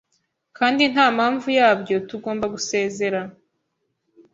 Kandi ntampamvu yabyo tugomba no gusezera